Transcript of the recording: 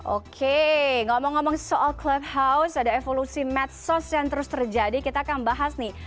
oke ngomong ngomong soal clubhouse ada evolusi medsos yang terus terjadi kita akan bahas nih